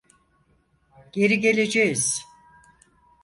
Geri geleceğiz.